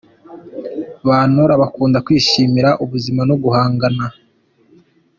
Ba Nora bakunda kwishimira ubuzima no guhangana